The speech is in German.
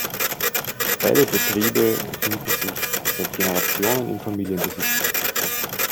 Beide Betriebe befinden sich seit Generationen in Familienbesitz.